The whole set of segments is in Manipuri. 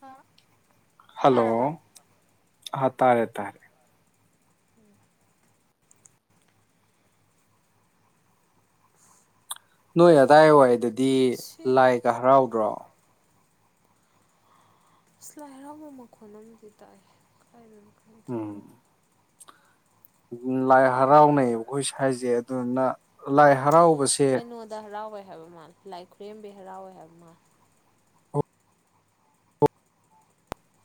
ꯍꯥꯥ ꯍꯜꯂꯣ ꯑꯥ ꯇꯥꯔꯦ ꯇꯥꯔꯦ [unintelligible] ꯅꯣꯏ ꯑꯗꯥꯏ ꯋꯥꯏꯗꯗꯤ ꯁꯤ ꯂꯥꯏꯒ ꯍꯔꯥꯎꯗ꯭ꯔꯣ ꯑꯁ ꯂꯥꯏ ꯍꯔꯥꯎꯕ ꯃꯈꯣꯟ ꯑꯝꯗꯤ ꯇꯥꯏ ꯀꯥꯏꯗꯅ ꯈꯪ ꯎꯝ ꯎ ꯂꯥꯏ ꯍꯔꯥꯎꯅꯩ ꯑꯩꯈꯣꯏ ꯁꯥꯏꯖꯦ ꯑꯗꯨꯅ ꯂꯥꯏ ꯍꯔꯥꯎ ꯀꯩꯅꯣꯗ ꯍꯔꯥꯎꯋꯦ ꯍꯥꯏꯕ ꯃꯥ ꯂꯥꯏꯈꯨꯔꯦꯝꯕꯤ ꯍꯔꯥꯎꯋꯦ ꯍꯥꯏꯕ ꯃꯥ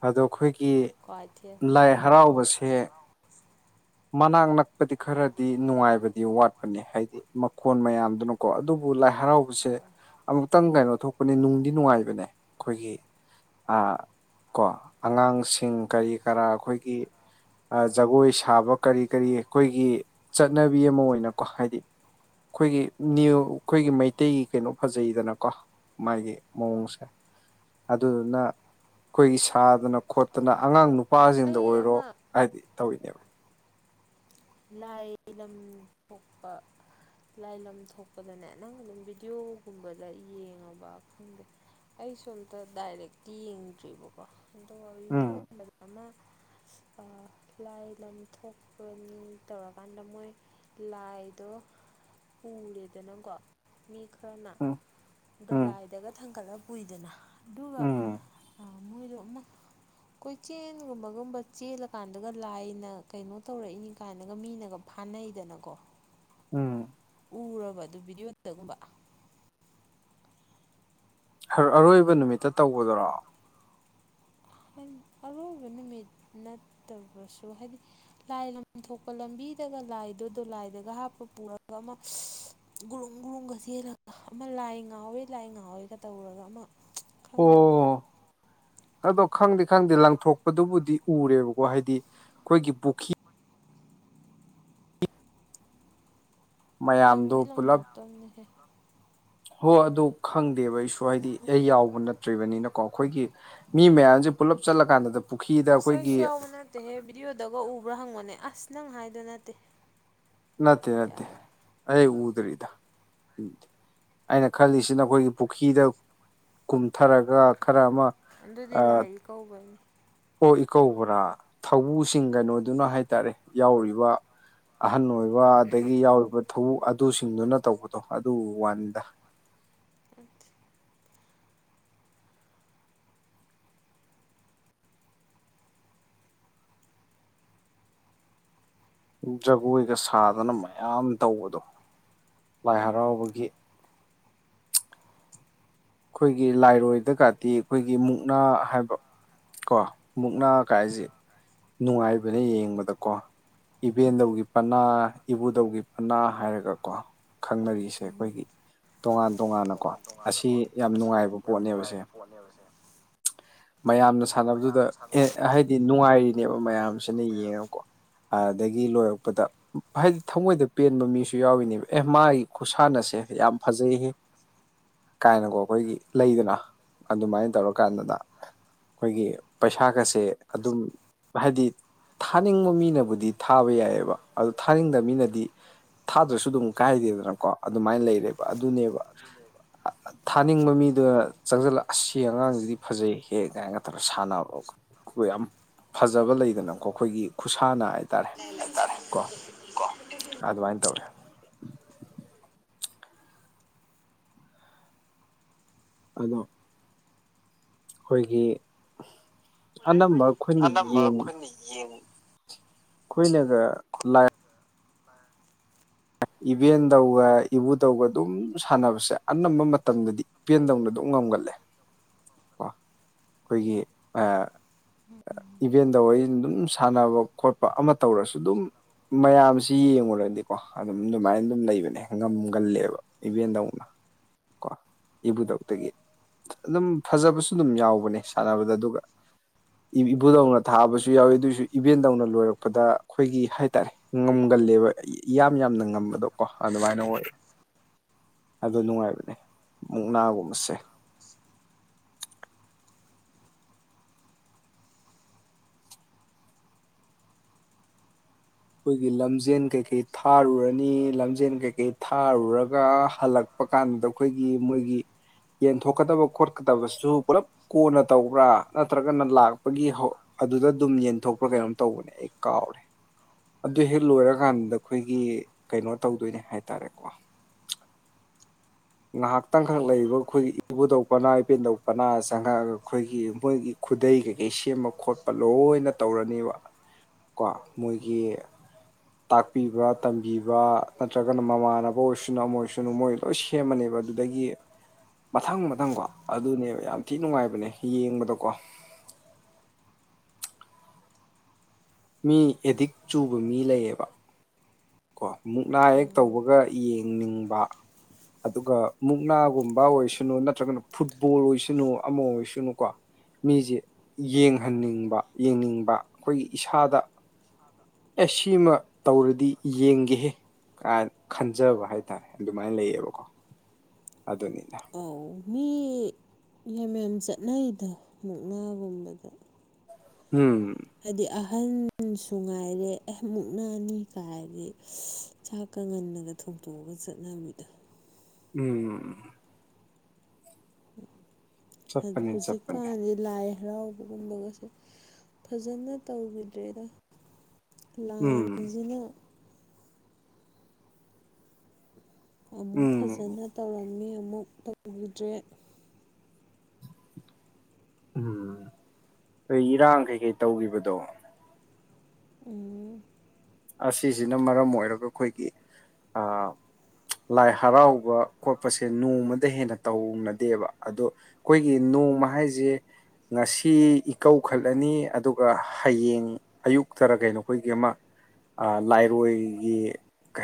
ꯑꯗꯣ ꯈꯣꯏꯒꯤ ꯀ꯭ꯋꯥꯊꯦꯜ ꯂꯥꯏ ꯍꯔꯥꯎꯕꯁꯦ ꯃꯅꯥꯛ ꯅꯛꯄꯗꯤ ꯈꯔꯗꯤ ꯅꯨꯡꯉꯥꯏꯕ [unintelligible] ꯋꯥꯠꯄꯅꯦ ꯍꯥꯏꯗꯤ ꯃꯈꯣꯟ ꯃꯌꯥꯝꯗꯨꯅꯀꯣ ꯑꯗꯨꯕꯨ ꯂꯥꯏ ꯍꯔꯥꯎꯕꯁꯦ ꯑꯃ ꯇꯪ ꯀꯩꯅꯣ ꯊꯣꯛꯄꯅꯦ ꯅꯨꯡꯗꯤ ꯅꯨꯡꯉꯥꯏꯕꯅꯦ ꯈꯣꯏꯒꯤ ꯑꯥ ꯀꯣ ꯑꯉꯥꯡꯁꯤꯡ ꯀꯔꯤ ꯀꯔꯥ ꯑꯈꯣꯏꯒꯤ ꯑ ꯖꯒꯣꯏ ꯁꯥꯕ ꯀꯔꯤ ꯀꯔꯤ ꯈꯣꯏꯒꯤ ꯆꯠꯅꯕꯤ ꯑꯃ ꯑꯣꯏꯅꯀꯣ ꯍꯥꯏꯗꯤ ꯈꯣꯏꯒꯤ ꯅꯤꯌꯨ ꯈꯣꯏꯒꯤ ꯃꯩꯇꯩꯒꯤ ꯀꯩꯅꯣ ꯐꯖꯩꯗꯅꯀꯣ ꯃꯥꯒꯤ ꯃꯑꯣꯡꯁꯦ ꯑꯗꯨꯗꯨꯅ ꯈꯣꯏꯒꯤ ꯁꯥꯗꯅ ꯈꯣꯠꯇꯅ ꯑꯉꯥꯡ ꯅꯨꯄꯥꯁꯤꯡꯗ ꯑꯩ ꯑꯣꯏꯔꯣ ꯑꯃ ꯍꯥꯏꯗꯤ ꯇꯧꯏꯅꯦꯕ ꯂꯥꯏ ꯂꯝ ꯊꯣꯛꯄ ꯂꯥꯏ ꯂꯝ ꯊꯣꯛꯄꯗꯅꯦ ꯅꯪ ꯑꯗꯨꯝ ꯚꯤꯗꯤꯑꯣꯒꯨꯝꯕꯗ ꯌꯦꯡꯉꯕ ꯈꯪꯗꯦ ꯑꯩꯁꯨ ꯑꯝꯇ ꯗꯥꯏꯔꯦꯛꯇꯤ ꯌꯦꯡꯗ꯭ꯔꯤꯕꯔꯤꯕꯀꯣ ꯗꯣꯔꯤꯗꯤꯡ ꯎꯝ [unintelligible] ꯑꯃ ꯑ ꯂꯥꯏ ꯂꯝ ꯊꯣꯛꯄꯅꯤ ꯇꯧꯔꯀꯥꯟꯗ ꯃꯣꯏ ꯂꯥꯏꯗꯣ ꯄꯨꯔꯦꯗꯅꯀꯣ ꯃꯤ ꯈꯔꯅ ꯎꯝ ꯎꯝ ꯗꯣꯂꯥꯏꯗꯒ ꯊꯥꯡꯒꯠꯂ ꯄꯨꯨꯏꯗꯅ ꯑꯗꯨꯒ ꯎꯝ ꯑ ꯃꯣꯏꯗꯣ ꯑꯃꯛ ꯀꯣꯏꯆꯦꯜꯒꯨꯝꯕꯒꯨꯝꯕ ꯆꯦꯜꯂꯀꯥꯟꯗꯒ ꯂꯥꯏꯅ ꯀꯩꯅꯣ ꯇꯧꯔꯛꯏꯅꯤ ꯀꯥꯏꯅꯒ ꯃꯤꯅꯒ ꯐꯥꯅꯩꯗꯅꯀꯣ ꯎꯝ ꯎꯔꯕ ꯑꯗꯨ ꯚꯤꯗꯤꯑꯣꯗꯒꯨꯝꯕ ꯍꯥ ꯑꯔꯣꯏꯕ ꯅꯨꯃꯤꯠꯇ ꯇꯧꯕꯗꯨꯔꯣ ꯗꯟ ꯑꯔꯣꯏꯕ ꯅꯨꯃꯤꯠ ꯅꯠꯇꯕꯁꯨ ꯍꯥꯏꯗꯤ ꯂꯥꯏ ꯂ ꯊꯣꯛꯄ ꯂꯝꯕꯤꯗꯒ ꯂꯥꯏꯗꯣ ꯂꯥꯏꯗꯒ ꯍꯥꯞꯄ ꯄꯨꯔꯒ ꯑꯃ ꯒꯨꯔꯨꯡ ꯒꯨꯔꯨꯡꯒ ꯆꯦꯜꯂꯒ ꯑꯃ ꯂꯥꯏ ꯉꯥꯎꯌꯦ ꯂꯥꯏ ꯉꯥꯎꯌꯦꯒ ꯇꯧꯔꯒ ꯑꯃ ꯈꯪꯗꯕ ꯑꯣ ꯑꯗꯣ ꯈꯪꯗꯤ ꯈꯪꯗꯦ ꯂꯪꯊꯣꯛꯄꯗꯨꯕꯨꯗꯤ ꯎꯔꯦ ꯋꯥ ꯍꯥꯏꯗꯤ ꯈꯣꯏꯒꯤ ꯄꯨꯈꯤ ꯃꯌꯥꯝꯗꯣ ꯂꯪꯗꯤ ꯂꯪꯊꯣꯛꯇꯕꯅꯤꯍꯦ ꯍꯣ ꯑꯗꯨ ꯈꯪꯗꯦꯕ ꯑꯩꯁꯨ ꯍꯥꯏꯗꯤ ꯑꯩ ꯌꯥꯎꯕ ꯅꯠꯇ꯭ꯔꯤꯕꯅꯤꯅꯀꯣ ꯈꯣꯏꯒꯤ ꯃꯤ ꯃꯌꯥꯝꯖꯦ ꯄꯨꯂꯞ ꯆꯠꯂ ꯀꯥꯟꯗ ꯗꯕ ꯑꯁ ꯑꯩꯁꯨ ꯌꯥꯎꯕ ꯅꯠꯇꯦꯍꯦ ꯚꯤꯗꯤꯑꯣꯗꯒ ꯎꯕ꯭ꯔꯥ ꯍꯪꯕꯅꯦ ꯑꯁ ꯅꯪ ꯍꯥꯏꯗꯣ ꯅꯠꯇꯦ ꯅꯠꯇꯦ ꯅꯠꯇꯦ ꯌꯥꯔꯦ ꯑꯩ ꯎꯗꯔꯤꯗ ꯑꯩꯅ ꯈꯜꯂꯤꯁꯤ ꯈꯣꯏꯒꯤ ꯄꯨꯈꯤꯗ ꯀꯨꯝꯊꯔꯛ ꯑꯗꯨꯗꯤ ꯂꯥꯏ ꯏꯀꯧꯕꯩꯅꯤ ꯑꯣ ꯏꯀꯧꯕꯕ꯭ꯔꯥ ꯊꯧꯕꯨꯁꯤꯡ ꯀꯩꯅꯣꯗꯨꯅ ꯍꯥꯏꯇꯥꯔꯦ ꯌꯥꯎꯔꯤꯕ ꯑꯍꯟ ꯑꯣꯏꯕ ꯑꯗꯒꯤ ꯌꯥꯎꯔꯤꯕ ꯊꯕꯨ ꯑꯗꯨꯁꯤꯡꯗꯨꯅ ꯇꯧꯕꯗꯣ ꯑꯗꯨ ꯋꯥꯟꯅꯦꯗ [unintelligible] ꯖꯒꯣꯏꯒ ꯁꯥꯗꯅ ꯃꯌꯥꯝ ꯇꯧꯕꯗꯣ ꯂꯥꯏ ꯎꯝ ꯍꯔꯥꯎꯕꯒꯤ ꯈꯣꯏꯒꯤ ꯂꯥꯏꯔꯣꯏꯗ ꯀꯗꯤ ꯈꯣꯏꯒꯤ ꯃꯨꯛꯅꯥ ꯍꯥꯏꯕ ꯀꯣ ꯃꯨꯛꯅꯥ ꯀꯥꯏꯖꯦ ꯅꯨꯡꯉꯥꯏꯕꯅ‌ꯦ ꯌꯦꯡꯕꯗ ꯀꯣ ꯏꯕꯦꯟꯗꯧꯒꯤ ꯄꯅꯥ ꯏꯕꯨꯙꯧꯒꯤ ꯄꯅꯥ ꯍꯥꯏꯔꯒꯀꯣ ꯈꯪꯅꯔꯤ ꯁꯦ ꯈꯣꯏꯒꯤ ꯇꯣꯉꯥꯟ ꯇꯣꯉꯥꯟꯅꯀꯣ ꯑꯁꯤ ꯌꯥꯝ ꯅꯨꯡꯉꯥꯏꯕ ꯄꯣꯠꯅꯦꯕ ꯁꯦ ꯄꯣꯠ ꯅꯦꯕ ꯁꯦ ꯃꯌꯥꯝꯅ ꯁꯥꯟꯅꯕꯗꯨꯗ ꯑꯦ ꯍꯥꯏꯗꯤ ꯅꯨꯡꯉꯥꯏꯔꯤꯅꯦꯕ ꯃꯌꯥꯝꯁꯤꯅ ꯌꯦꯡꯉ ꯀꯣ ꯑꯗꯒꯤ ꯂꯣꯏꯔꯛꯄꯗ ꯍꯥꯏꯗꯤ ꯊꯃꯣꯏꯗ ꯄꯦꯟꯕ ꯃꯤꯁꯨ ꯌꯥꯎꯔꯤꯅꯦꯕ ꯑꯦ ꯃꯥꯒꯤ ꯈꯨꯁꯥꯟꯅꯁꯦ ꯌꯥꯝ ꯐꯖꯩꯍ‌ꯦ ꯀꯥꯏꯅꯀꯣ ꯈꯣꯏꯒꯤ ꯂꯩꯗꯅ ꯑꯗꯨꯃꯥꯏꯅ ꯇꯧꯔꯛꯀꯥꯟꯗꯨꯗ ꯈꯣꯏꯒꯤ ꯄꯩꯁꯥꯒꯁꯦ ꯑꯗꯨꯝ ꯍꯥꯏꯗꯤ ꯊꯥꯅꯤꯡꯕ ꯃꯤꯅꯕꯨꯗꯤ ꯊꯥꯕ ꯌꯥꯏꯌꯦꯕ ꯑꯗꯨ ꯊꯥꯅꯤꯡꯗꯕ ꯃꯤꯅꯗꯤ ꯊꯥꯗ꯭ꯔꯁꯨ ꯑꯗꯨꯝ ꯀꯥꯏꯗꯦꯗꯅꯀꯣ ꯑꯗꯨꯃꯥꯏ ꯂꯩꯔꯦꯕ ꯑꯗꯨꯅꯦꯕ ꯑ ꯊꯥꯅꯤꯡꯕ ꯃꯤꯗꯨꯗ ꯆꯪꯖꯟꯂꯛ ꯑꯁ ꯁꯤ ꯑꯉꯥꯡꯖꯤꯗꯤ ꯐꯖꯩ ꯍꯦ ꯀꯤꯏꯅꯒ‌ ꯇꯧꯔ ꯁꯥꯟꯅꯕꯒ‌ꯣ ꯈꯨ ꯌꯥꯝ ꯐꯖꯕ ꯂꯩꯗꯅꯀꯣ ꯈꯣꯏꯒꯤ ꯈꯨꯁꯥꯅ ꯍꯥꯏ [unintelligible] ꯎꯝ ꯑꯗꯨꯃꯥꯏꯅ ꯇꯧꯋꯦ ꯑꯗꯣ ꯈꯣꯏꯒꯤ ꯑꯅꯝꯕ ꯑꯩꯈꯣꯏꯅ ꯌꯦꯡ ꯈꯣꯏꯅꯒ ꯏꯚꯦꯟ ꯇꯧꯒ ꯏꯕꯨꯙꯧꯒ ꯑꯗꯨꯝ ꯁꯥꯟꯅꯕꯁꯦ ꯑꯅꯝꯕ ꯃꯇꯝꯗꯗꯤ ꯄꯦꯟꯗꯧꯅ ꯑꯗꯨꯝ ꯉꯝꯒꯜꯂꯦ ꯀꯣ ꯑꯩꯈꯣꯏꯒꯤ ꯑ ꯏꯚꯦꯟꯗꯧ ꯍꫭꯏꯅ ꯑꯗꯨꯝ ꯁꯥꯟꯅꯕ ꯈꯣꯠꯄ ꯑꯃ ꯇꯧꯔꯁꯨ ꯑꯗꯨꯝ ꯃꯌꯥꯝꯁꯤ ꯌꯦꯡꯉꯨꯔꯗꯤꯀꯣ꯫ ꯑꯗꯨꯝ ꯑꯗꯨꯃꯥꯏꯅ ꯑꯗꯨꯝ ꯂꯩꯕꯅꯦ ꯉꯝꯒꯜꯂꯦꯕ ꯏꯚꯦꯟꯗꯧꯅ꯫ ꯀꯣ ꯏꯕꯨꯗꯧꯇꯒꯤ꯫ ꯑꯗꯨꯝ ꯐꯖꯕꯁꯨ ꯑꯗꯨꯝ ꯌꯥꯎꯕꯅꯦ ꯁꯥꯟꯅꯕꯗ ꯑꯗꯨꯒ ꯏꯕꯨꯗꯧꯅ ꯊꯥꯕꯁꯨ ꯌꯥꯎꯋꯤ ꯑꯗꯨꯑꯣꯏꯁꯨ ꯏꯕꯦꯟꯗꯧꯅ ꯂꯣꯏꯔꯛꯄꯗ ꯑꯩꯈꯣꯏꯒꯤ ꯍꯥꯏꯇꯥꯔꯦ꯫ ꯉꯝꯒꯜꯂꯦꯕ ꯏꯌꯥꯝ ꯌꯥꯝꯅ ꯉꯝꯕꯗꯣ ꯀꯣ ꯑꯗꯨꯃꯥꯏꯅ ꯑꯣꯏꯔꯦ꯫ ꯑꯗꯨ ꯅꯨꯡꯉꯥꯏꯕꯅꯦ ꯃꯨꯛꯅꯥꯒꯨꯝꯕꯁꯦ꯫ ꯑꯩꯈꯣꯏꯒꯤ ꯂꯝꯖꯦꯟ ꯀꯩꯀꯩ ꯊꯥꯔꯨꯔꯅꯤ ꯂꯝꯖꯦꯟ ꯀꯩꯀꯩ ꯊꯥꯔꯨꯔꯒ ꯍꯜꯂꯛ ꯄ ꯀꯥꯟꯗ ꯑꯩꯈꯣꯏꯒꯤ ꯃꯣꯏꯒꯤ ꯌꯦꯟꯊꯣꯛꯀꯗꯕ ꯈꯣꯠꯀꯗꯕꯁꯨ ꯄꯨꯂꯞ ꯀꯣꯟꯅ ꯇꯧꯕ꯭ꯔꯥ ꯅꯠꯇ꯭ꯔꯒꯅ ꯂꯥꯛꯄꯒꯤ ꯍꯧ ꯑꯗꯨꯗ ꯑꯗꯨꯝ ꯌꯦꯟꯊꯣꯛꯄ꯭ꯔꯥ ꯎꯝ ꯀꯩꯅꯣꯝ ꯇꯧꯕꯅꯦ꯫ ꯑꯩ ꯀꯥꯥꯎꯔꯦ꯫ ꯑꯗꯨ ꯍꯦꯛ ꯂꯣꯏꯔꯀꯥꯟꯗ ꯑꯩꯈꯣꯏꯒꯤ ꯀꯩꯅꯣ ꯇꯧꯗꯣꯏꯅꯦ ꯍꯥꯏꯇꯥꯔꯦꯀꯣ꯫ ꯉꯥꯏꯍꯥꯛꯇꯪꯈꯛ ꯂꯩꯔꯤꯕ ꯑꯩꯈꯣꯏꯒꯤ ꯏꯕꯨꯗꯧ ꯄꯅꯥ ꯏꯄꯦꯟꯗꯧ ꯄꯅꯥ ꯆꯪꯉꯛꯑꯒ ꯑꯩꯈꯣꯏꯒꯤ ꯃꯣꯏꯒꯤ ꯈꯨꯗꯩ ꯀꯩꯀꯩ ꯁꯦꯝꯕ ꯈꯣꯠꯄ ꯂꯣꯏꯅ ꯇꯧꯔꯅꯦꯕ꯫ ꯀꯣ ꯃꯣꯏꯒꯤ ꯇꯥꯛꯄꯤꯕ ꯇꯝꯕꯤꯕ ꯅꯠꯇ꯭ꯔꯒꯅ ꯃꯃꯥꯟꯅꯕ ꯑꯣꯏꯔꯁꯨꯅꯨ ꯑꯃ ꯑꯣꯏꯔꯁꯨꯅꯨ ꯃꯣꯏ ꯂꯣꯏ ꯁꯤ ꯁꯦꯝꯃꯅꯦꯕ ꯑꯗꯨꯗꯒꯤ ꯃꯊꯪ ꯃꯊꯪꯀꯣ ꯑꯗꯨꯅꯦꯕ ꯌꯥꯝ ꯊꯤ ꯅꯨꯡꯉꯥꯏꯕꯅꯦ ꯌꯦꯡꯕꯗꯀꯣ꯫ ꯃꯤ ꯑꯦꯗꯤꯛ ꯆꯨꯕ ꯃꯤ ꯂꯩꯌꯦꯕ꯫ ꯀꯣ ꯃꯨꯛꯅꯥ ꯍꯦꯛ ꯎꯝ ꯇꯧꯕꯒ ꯌꯦꯡꯅꯤꯡꯕ꯫ ꯑꯗꯨꯒ ꯃꯨꯛꯅꯥꯒꯨꯝꯕ ꯑꯣꯏꯁꯨꯅꯨ ꯅꯠꯇ꯭ꯔꯒꯅ ꯐꯨꯠꯕꯣꯜ ꯑꯣꯏꯁꯅꯨ ꯑꯃ ꯑꯣꯏꯁꯅꯨꯀꯣ꯫ ꯃꯤꯁꯦ ꯌꯦꯡꯍꯟꯅꯤꯡꯕ ꯌꯦꯡꯅꯤꯡꯕ ꯈꯣꯏꯒꯤ ꯏꯁꯥꯗ ꯑꯦ ꯁꯤꯃ ꯇꯧꯔꯗꯤ ꯌꯦꯡꯒꯦꯍꯦ ꯀꯥꯏ ꯈꯟꯖꯕ ꯍꯥꯏꯇꯥꯔꯦ ꯑꯗꯨꯃꯥꯏꯅ ꯂꯩꯌꯦꯕꯀꯣ꯫ ꯑꯗꯨꯅꯤꯅ ꯑꯧ ꯃꯤ ꯌꯥꯝꯃꯦꯝ ꯆꯠꯅꯩꯗ ꯃꯨꯛꯅꯥꯒꯨꯝꯕꯗ꯫ ꯎꯝ꯫ ꯍꯥꯏꯗꯤ ꯑꯍꯟꯁꯨ ꯉꯥꯏꯔꯦ ꯑꯩ ꯃꯨꯛꯅꯅꯤ ꯀꯥꯏꯗꯤ ꯆꯥꯛꯀ ꯉꯟꯅꯒ ꯊꯣꯡꯇꯣꯛꯑꯒ ꯆꯠꯅꯔꯝꯃꯤꯗ꯫ ꯎꯝ꯫ ꯑ ꯆꯠꯄꯅꯤ ꯆꯠꯄꯅꯤ ꯍꯧꯖꯤꯛꯀꯥꯟꯁꯤ ꯂꯥꯏ ꯍꯔꯥꯎꯕꯒꯨꯝꯕꯒꯁꯦ ꯐꯖꯅ ꯇꯧꯈꯤꯗ꯭ꯔꯦꯗ꯫ ꯎꯝ ꯂꯥꯟꯁꯤꯅ ꯑꯃꯨꯛ ꯎꯝ ꯐꯖꯅ ꯇꯧꯔꯝꯃꯤ ꯑꯃꯨꯛ ꯇꯧꯕꯈꯤꯗ꯭ꯔꯦ꯫ ꯎꯝ ꯍꯣꯏ ꯏꯔꯥꯡ ꯀꯩ ꯀꯩ ꯇꯧꯈꯤꯕꯗꯣ꯫ ꯎꯝ꯫ ꯑꯁꯤꯁꯤꯅ ꯃꯔꯝ ꯑꯣꯏꯔꯒ ꯑꯩꯈꯣꯏꯒꯤ ꯑꯥ ꯂꯥꯏ ꯍꯔꯥꯎꯕ ꯈꯣꯠꯄꯁꯦ ꯅꯣꯡꯃꯗ ꯍꯦꯟꯅ ꯇꯧꯅꯗꯦꯕ ꯑꯗꯣ ꯑꯩꯈꯣꯏꯒꯤ ꯅꯣꯡꯃ ꯍꯥꯏꯁꯦ ꯉꯁꯤ ꯏꯀꯧ ꯈꯠꯂꯅꯤ ꯑꯗꯨꯒ ꯍꯌꯦꯡ ꯑꯌꯨꯛꯇꯔ ꯀꯩꯅꯣ ꯑꯩꯈꯣꯏꯒꯤ ꯑꯃ ꯑ ꯂꯥꯏꯔꯣꯏꯒꯤ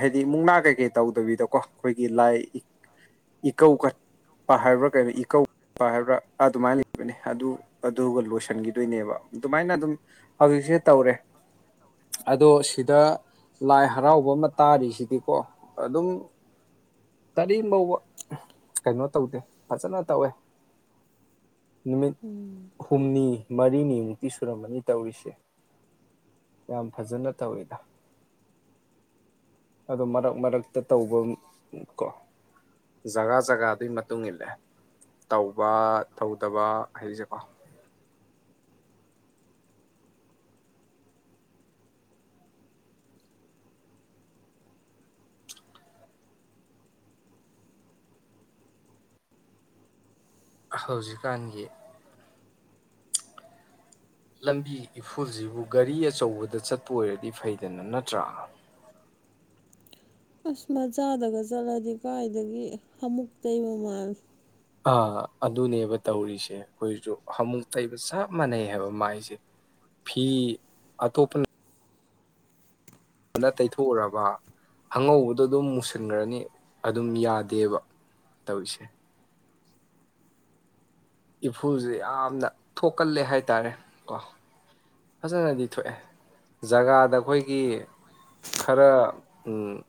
ꯍꯥꯏꯗꯤ ꯃꯨꯛꯅꯥ ꯀꯩꯀꯩ ꯇꯧꯗꯕꯤꯗꯀꯣ ꯑꯩꯈꯣꯏ ꯒꯤ ꯂꯥꯏ ꯏꯀꯧ ꯈꯠꯄ ꯍꯥꯏꯕ꯭ꯔꯥ ꯀꯩꯅꯣ ꯏꯀꯧꯕ ꯍꯥꯏꯕ꯭ꯔꯥ ꯑꯗꯨꯃꯥꯏꯅ ꯑꯗꯨ ꯑꯗꯨꯒ ꯂꯣꯏꯁꯤꯟꯈꯤꯗꯣꯏꯅꯦꯕ ꯑꯗꯨꯃꯥꯏꯅ ꯑꯗꯨꯝ ꯍꯧꯖꯤꯛꯁꯦ ꯇꯧꯔꯦ ꯑꯗꯣ ꯁꯤꯗ ꯂꯥꯏ ꯍꯔꯥꯎꯕ ꯑꯃ ꯇꯥꯔꯤꯁꯤꯗꯤꯀꯣ ꯑꯗꯨꯝ ꯀꯔꯤꯝꯐꯧꯕ ꯀꯩꯅꫭ ꯇꯧꯗꯦ ꯐꯖꯅ ꯇꯧꯋꯦ ꯅꯨꯃꯤꯠ ꯎꯝ ꯍꯨꯝꯅꯤ ꯃꯔꯤꯅꯤꯃꯨꯛꯇꯤ ꯁꯨꯔꯝꯃꯅꯤ ꯇꯧꯔꯤꯁꯦ ꯌꯥꯝ ꯐꯖꯅ ꯇꯧꯋꯤꯗ ꯑꯗꫭ ꯃꯔꯛ ꯃꯔꯛꯇ ꯇꯧꯕꯝ ꯀꯣ ꯖꯒꯥ ꯖꯒꯥꯗꯨꯒꯤ ꯃꯇꯨꯡ ꯏꯜꯂꯦ ꯇꯧꯕ ꯇꯧꯗꯕ ꯍꯥꯏꯕꯁꯦꯀꯣ ꯍꯧꯖꯤꯛꯀꯥꯟꯒꯤ ꯂꯝꯕꯤ ꯏꯐꯨꯜꯁꯤꯕꯨ ꯒꯥꯔꯤ ꯑꯆꯧꯕꯗ ꯆꯠꯄ ꯑꯣꯏꯔꯗꯤ ꯐꯩꯗꯅ ꯅꯠꯇ꯭ꯔꯥ ꯑꯁ ꯃꯆꯥꯗꯒ ꯆꯠꯂꯗꯤ ꯀꯥꯏꯗꯒꯤ ꯍꯥꯃꯨꯛ ꯇꯩ ꯃꯥꯜꯂꯤ ꯑꯥ ꯑꯗꯨꯅꯦꯕ ꯇꯧꯔꯤꯁꯦ ꯑꯩꯈꯣꯏꯁꯨ ꯍꯥꯃꯨꯛ ꯇꯩꯕ ꯆꯞ ꯃꯥꯟꯅꯩ ꯍꯥꯏꯕ ꯃꯥꯏꯁꯦ ꯐꯤ ꯑꯇꯣꯞꯄꯅ ꯅ ꯇꯩꯊꯣꯛꯎꯔꯕ ꯑꯉꯧꯕꯗꯣ ꯑꯗꯨꯝ ꯃꯨꯁꯤꯟꯈ꯭ꯔꯅꯤ ꯑꯗꯨꯝ ꯌꯥꯗꯦꯕ ꯇꯧꯔꯤꯁꯦ ꯏꯐꯨꯜꯁꯦ ꯌꯥꯝꯅ ꯊꯣꯛꯀꯜꯂꯦ ꯍꯥꯏꯇꯥꯔꯦ ꯀꯣ ꯐꯖꯅꯗꯤ ꯊꯣꯛꯑꯦ ꯖꯒꯥꯗ ꯑꯩꯈꯣꯏꯒꯤ ꯈꯔ ꯎꯝ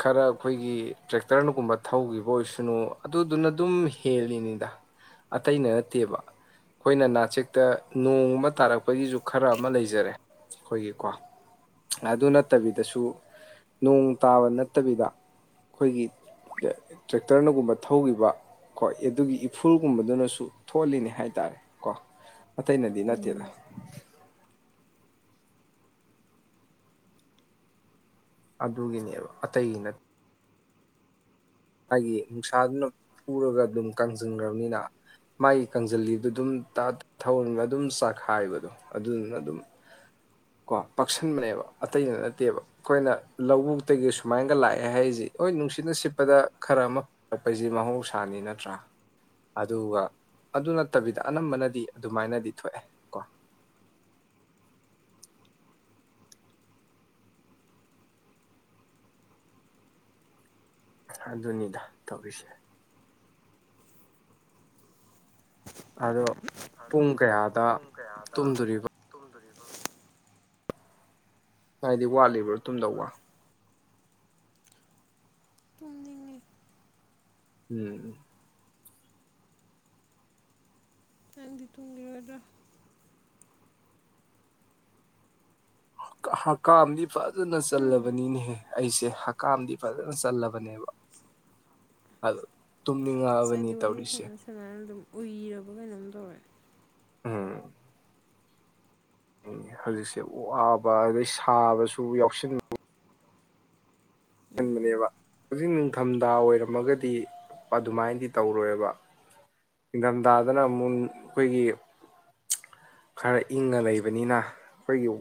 ꯈꯔ ꯑꯩꯈꯣꯏꯒꯤ ꯇ꯭ꯔꯦꯛꯇꯔꯅꯒꯨꯝꯕ ꯊꯧꯈꯤꯕ ꯑꯣꯏꯁꯅꯨ ꯑꯗꯨꯗꯨꯅ ꯑꯗꯨꯝ ꯍꯦꯜꯂꯤꯅꯤꯗ ꯑꯇꯩꯩꯅ ꯅꯠꯇꯦꯕ ꯑꯩꯈꯣꯏꯅ ꯅꯥꯆꯦꯛꯇ ꯅꯣꯡꯃ ꯇꯥꯔꯛꯄꯒꯤꯁꯨ ꯈꯔ ꯑꯃ ꯂꯩꯖꯔꯦ ꯑꯩꯈꯣꯏꯒꯤꯀꯣ ꯑꯗꯨ ꯅꯠꯇꯕꯤꯗꯁꯨ ꯅꯣꯡ ꯇꯥꯕ ꯅꯠ ꯇꯕꯤꯗ ꯑꯩꯈꯣꯏꯒꯤ ꯇ꯭ꯔꯦꯛꯇꯔ ꯅꯒꯨꯝꯕ ꯊꯧꯒꯤꯕ ꯀꯣ ꯑꯗꯨꯒꯤ ꯏꯐꯨꯜ ꯒꯨꯝꯕꯗꯨꯅꯁꯨ ꯊꯣꯛꯍꯜꯂꯤꯅꯦ ꯍꯥꯏꯇꯥꯔꯦ ꯀꯣ ꯑꯇꯩꯩꯅꯗꯤ ꯅꯠꯇꯦꯗ ꯎꯝ ꯑꯗꯨꯒꯤꯅꯦꯕ ꯑꯇꯩꯒꯤ ꯅꯠ ꯃꯥꯒꯤ ꯅꯨꯡꯁꯥꯗꯨꯅ ꯄꯨꯔꯒ ꯑꯗꯨꯝ ꯀꯪꯁꯤꯟꯈ꯭ꯔꯕꯅꯤꯅ ꯃꯥꯒꯤ ꯀꯪꯁꯤꯜꯂꯤꯗꯨ ꯑꯗꯨꯝ ꯇ ꯊꯧꯔꯃꯤꯅ ꯑꯗꯨꯝ ꯆꯥꯛꯈꯥꯏꯕꯗꯣ ꯑꯗꯨꯗꯨꯅ ꯑꯗꯨꯝ ꯀꯣ ꯄꯥꯛꯁꯟꯕꯅꯦꯕ ꯑꯇꯩꯗ ꯅꯠꯇꯦꯕ ꯑꯩꯈꯣꯏꯅ ꯂꯧꯕꯨꯛꯇꯒꯤ ꯁꯨꯃꯥꯏꯅꯒ ꯂꯥꯛꯑꯦ ꯍꯥꯏꯔꯤꯁꯤ ꯍꯣꯏ ꯅꯨꯡꯁꯤꯠꯅ ꯁꯤꯠꯄꯗ ꯈꯔ ꯑꯃ ꯍꯨꯝꯃꯛꯄꯩꯁꯦ ꯃꯍꯧꯁꯥꯅꯤ ꯅꯠꯇ꯭ꯔꯥ ꯑꯗꯨꯒ ꯑꯗꯨ ꯅꯠꯇꯕꯤꯗ ꯑꯅꯝꯕꯅꯗꯤ ꯑꯗꯨꯃꯥꯏꯅꯗꯤ ꯊꯣꯛꯑꯦ ꯀꯣ ꯑꯗꯨꯅꯤꯗ ꯇꯧꯔꯤꯁꯦ ꯑꯗꯣ ꯄꯨꯡ ꯀꯌꯥꯗ ꯇꯨꯝꯗꯣꯔꯤꯕ ꯇꯨꯝꯗꯣꯔꯤꯕ ꯍꯥꯏꯗꯤ ꯋꯥꯠꯂꯤꯕ꯭ꯔꯣ ꯇꯨꯝꯗꯧꯕ ꯇꯨꯝꯅꯤꯡꯉꯤ ꯎꯝ ꯅꯪꯗꯤ ꯇꯨꯝꯒꯤꯔꯣꯏꯗ꯭ꯔꯥ ꯍꯀꯥꯝꯗꯤ ꯐꯖꯅ ꯎꯝ ꯆꯜꯂꯕꯅꯤꯅꯦꯍꯦ ꯑꯩꯁꯦ ꯍꯀꯥꯝꯗꯤ ꯐꯖꯅ ꯆꯜꯂꯕꯅꯦꯕ ꯑ ꯇꯨꯝꯅꯤꯡꯉꯛꯑꯕꯅꯤ ꯉꯁꯥꯏꯗꯤ ꯋꯥꯔꯤ ꯇꯧꯔꯤꯁꯦ ꯁꯥꯟꯅ ꯑꯗꯨꯝ ꯎꯏꯔꯕ ꯀꯩꯅꯣꯝ ꯇꯧꯔꯦ ꯎꯝ ꯍꯧꯖꯤꯛꯁꯦ ꯋꯥꯕ ꯑꯗꯩ ꯁꯥꯕꯁꯨ ꯌꯥꯎꯁꯟ ꯎꯝ ꯎꯝ ꯁꯟꯕꯅꯦꯕ ꯍꯧꯖꯤꯛ ꯅꯤꯡꯊꯝꯊꯥ ꯑꯣꯏꯔꯝꯃꯒꯗꯤ ꯑꯗꯨꯃꯥꯏꯅꯗꯤ ꯇꯧꯔꯣꯏꯕ꯫ ꯅꯤꯡꯊꯝꯊꯥꯗꯅ ꯑꯃꯨꯛ ꯑꯩꯈꯣꯏꯒꯤ, ꯈꯔ ꯏꯪꯉ ꯂꯩꯕꯅꯤꯅ ꯑꯩꯈꯣꯏꯒꯤ ꯋꯥ